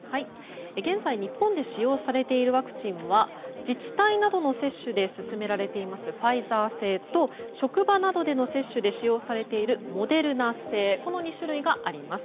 現在、日本で使用されているワクチンは自治体などの接種で進められているファイザー製と職場などでの接種が使用されているモデルナ製の２種類があります。